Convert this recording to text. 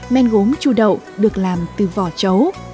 men gốm chu đậu được làm từ vỏ chấu